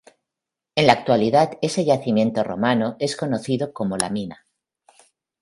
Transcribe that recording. En la actualidad ese yacimiento romano es conocido como La Mina.